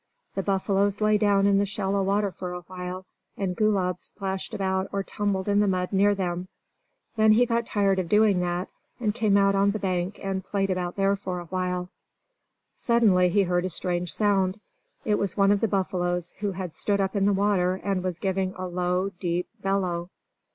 The buffaloes lay down in the shallow water for a while, and Gulab splashed about or tumbled in the mud near them. Then he got tired of doing that, and came out on the bank and played about there for a while. Suddenly he heard a strange sound. It was one of the buffaloes, who had stood up in the water and was giving a low, deep bellow.